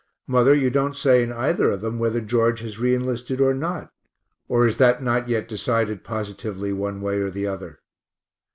Mother, you don't say in either of them whether George has re enlisted or not or is that not yet decided positively one way or the other?